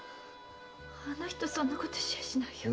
あの人そんなことしやしないよ。